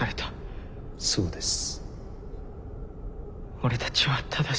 俺たちは正しい。